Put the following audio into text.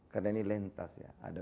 karena ini lintas ya ada